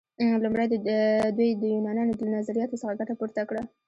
لومړی دوی د یونانیانو له نظریاتو څخه ګټه پورته کړه.